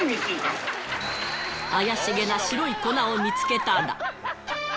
怪しげな白い粉を見つけたら。